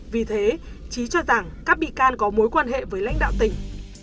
vì thế trí cho rằng các bị can có mối quan hệ với lãnh đạo tỉnh